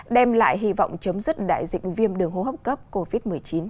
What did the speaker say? đem lại hy vọng chấm dứt đại dịch viêm đường hô hấp cấp covid một mươi chín